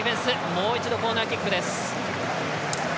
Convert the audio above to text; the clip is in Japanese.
もう一度コーナーキックです。